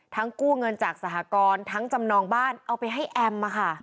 ทั้งกู้เงินจากสหกรทั้งจำนองบ้านเอาไปให้แอมป์มาค่ะ